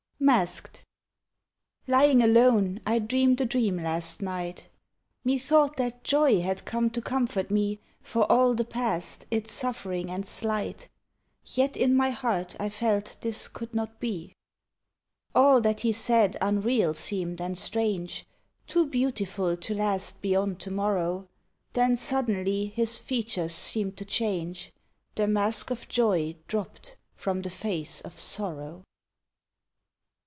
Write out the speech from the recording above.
MASKED. Lying alone I dreamed a dream last night: Methought that Joy had come to comfort me For all the past, its suffering and slight, Yet in my heart I felt this could not be. All that he said unreal seemed and strange, Too beautiful to last beyond to morrow; Then suddenly his features seemed to change, The mask of joy dropped from the face of Sorrow.